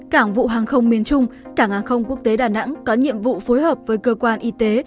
cảng vụ hàng không miền trung cảng hàng không quốc tế đà nẵng có nhiệm vụ phối hợp với cơ quan y tế